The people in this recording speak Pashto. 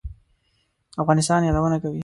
د افغانستان یادونه کوي.